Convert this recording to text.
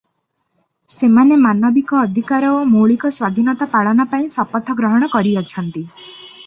ସେମାନେ ମାନବିକ ଅଧିକାର ଓ ମୌଳିକ ସ୍ୱାଧୀନତା ପାଳନ ପାଇଁ ଶପଥ ଗ୍ରହଣ କରିଅଛନ୍ତି ।